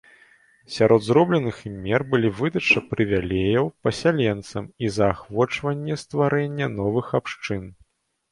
Сярод зробленых ім мер былі выдача прывілеяў пасяленцам і заахвочванне стварэння новых абшчын.